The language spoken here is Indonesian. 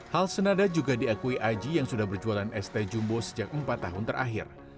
hal senada juga diakui aji yang sudah berjualan este jumbo sejak empat tahun terakhir